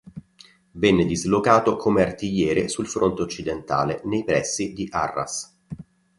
Venne dislocato come artigliere sul fronte occidentale, nei pressi di Arras.